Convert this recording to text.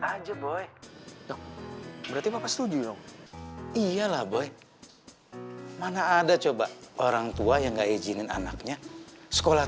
aja boy berarti apa setuju iyalah boy mana ada coba orangtua yang ga izinin anaknya sekolah